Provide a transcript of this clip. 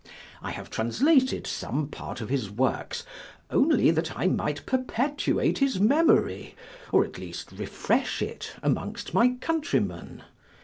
I have translated some part of his works, only that I might perpetuate his memory, or at least refresh it, amongst my countrymen.